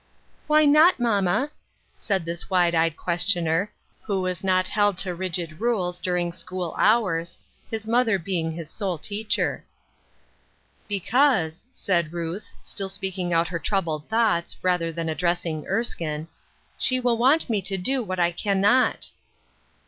"Why not, mamma? " said this wide eyed ques tioner, who was not held to rigid rules during school hours, his mother being his sole teacher. A WAITING WORKER. 300, "Because," said Ruth, still speaking out her troubled thoughts, rather then addressing Erskine, " she will want me to do what I cannot."